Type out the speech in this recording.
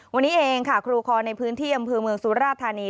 วันนี้เองค่ะครูคอนในพื้นที่อำเภอเมืองสุราธานี